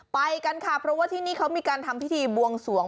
ไปกันค่ะเพราะว่าที่นี่เขามีการทำพิธีบวงสวง